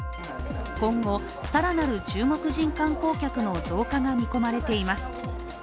今後更なる中国人観光客の増加が見込まれています。